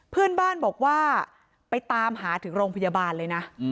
เพื่อนบ้านบอกว่าไปตามหาถึงโรงพยาบาลเลยนะ